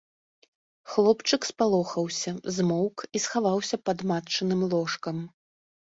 Хлопчык спалохаўся, змоўк і схаваўся пад матчыным ложкам.